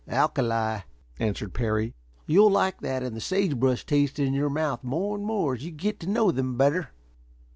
"Alkali," answered Parry. "You'll like that and the sage brush taste in your mouth more and more as you get to know them better."